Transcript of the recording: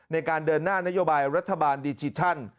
ในการเดินหน้านโยบายรัฐบาลดิจิทัล